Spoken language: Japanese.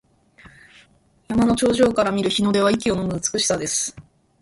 山の頂上から見る日の出は息をのむ美しさです。